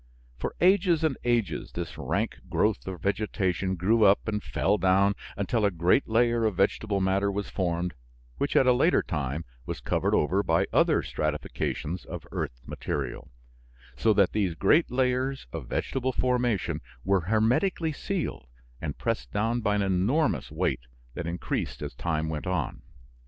For ages and ages this rank growth of vegetation grew up and fell down until a great layer of vegetable matter was formed, which at a later time was covered over by other stratifications of earth material, so that these great layers of vegetable formation were hermetically sealed and pressed down by an enormous weight that increased as time went on.